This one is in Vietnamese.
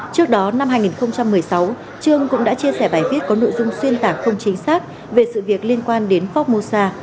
trước đó năm hai nghìn một mươi sáu trương cũng đã chia sẻ bài viết có nội dung xuyên tạc không chính xác về sự việc liên quan đến formosa